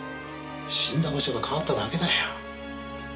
死んだ場所が変わっただけだよ。